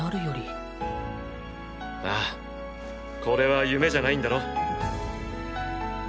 ああこれは夢じゃないんだろう？